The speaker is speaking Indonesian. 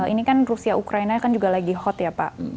ini kan rusia ukraina kan juga lagi hot ya pak